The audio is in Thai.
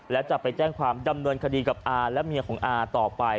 และจะไปแจ้งความดำเนินคดีกับอาและเมียของอาต่อไป